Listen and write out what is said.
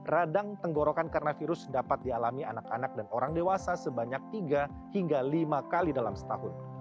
radang tenggorokan karena virus dapat dialami anak anak dan orang dewasa sebanyak tiga hingga lima kali dalam setahun